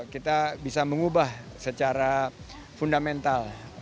kita bisa mengubah secara fundamental